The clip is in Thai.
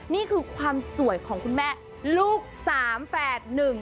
นี่คือความสวยของคุณแม่ลูกสามแฝดหนึ่ง